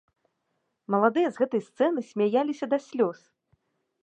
Маладыя з гэтай сцэны смяяліся да слёз!